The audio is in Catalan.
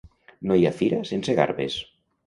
No hi ha fira sense garbes.